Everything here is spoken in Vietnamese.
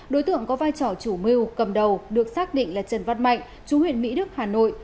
đối tượng có vai trò chủ mưu cầm đầu được xác định là trần văn mạnh chú huyện mỹ đức hà nội